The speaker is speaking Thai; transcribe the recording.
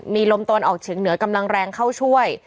มีลมตนออกถึงเหนือกำลังแรงเข้าช่วย